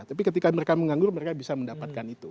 tapi ketika mereka menganggur mereka bisa mendapatkan itu